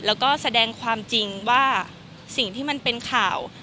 แล้วก็แสดงความจริงว่าสิ่งที่มันเป็นข่าว